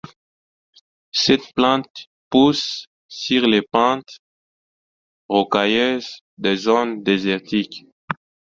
Cette plante pousse sur les pentes rocailleuses des zones désertiques.